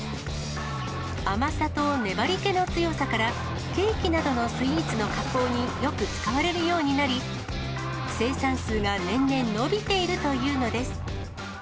甘さと粘りけの強さからケーキなどのスイーツの加工によく使われるようになり、生産数が年々伸びているというのです。